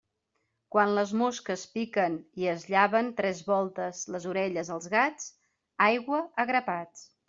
Quan les mosques piquen i es llaven tres voltes les orelles els gats, aigua a grapats.